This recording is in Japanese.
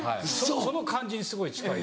その感じにすごい近い。